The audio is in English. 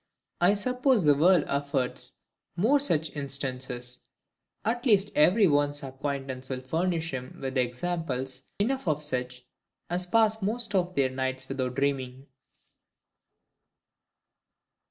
I suppose the world affords more such instances: at least every one's acquaintance will furnish him with examples enough of such as pass most of their nights without dreaming.